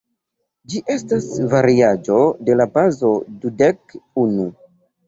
Ĝi estas variaĵo de la bazo dudek unu.